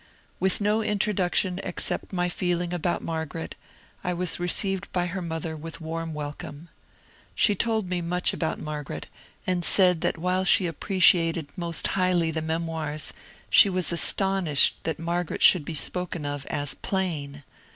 With no introduction except my feeling about Mar garet, I was received by her mother with warm welcome. She told me much about Margaret, and said that while she appre ciated most highly the ^^ Memoirs," she w^ astonished that Margaret should be spoken of as plain.